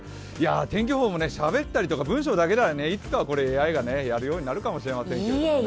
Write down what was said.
天気予報もねしゃべったりとか文章だけでは、いつかはこれ、ＡＩがやるようになるかもしれませんね。